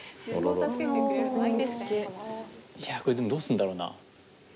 いやこれでもどうするんだろうな。